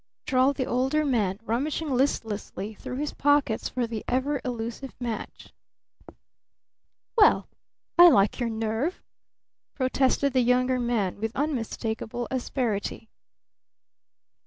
drawled the Older Man, rummaging listlessly through his pockets for the ever elusive match. "Well, I like your nerve!" protested the Younger Man with unmistakable asperity.